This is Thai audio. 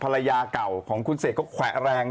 ภรรยาเก่าของคุณเสกก็แขวะแรง